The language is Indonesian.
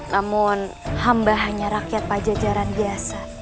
namun hamba hanya rakyat pajajaran biasa